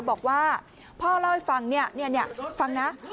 บอกว่าพ่อเล่าให้ฟังเนี่ยฟังนะ